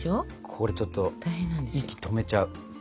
これちょっと息止めちゃう。